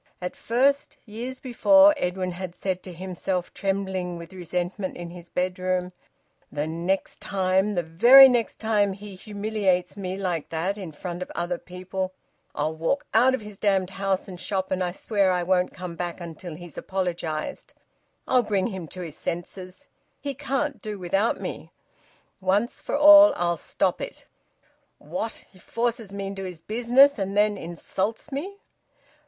At first, years before, Edwin had said to himself, trembling with resentment in his bedroom, "The next time, the very next time, he humiliates me like that in front of other people, I'll walk out of his damned house and shop, and I swear I won't come back until he's apologised. I'll bring him to his senses. He can't do without me. Once for all I'll stop it. What! He forces me into his business, and then insults me!"